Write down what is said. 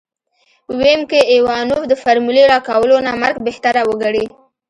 ويم که ايوانوف د فارمولې راکولو نه مرګ بهتر وګڼي.